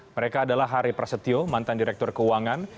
mereka adalah hari prasetyo mantan direktur keuangan